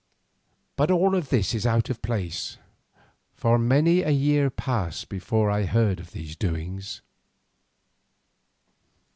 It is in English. But all this is out of place, for many a year passed away before I heard of these doings.